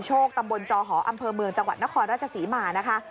ตำบลจอหออำเภอเมืองจังหวัดนครราชศรีมานะคะ